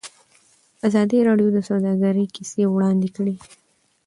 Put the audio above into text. ازادي راډیو د سوداګري کیسې وړاندې کړي.